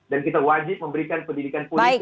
dan kita wajib memberikan pendidikan politik